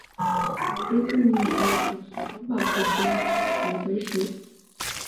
刘知俊得补徐州马步军都指挥使。